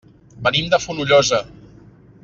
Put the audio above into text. Venim de Fonollosa.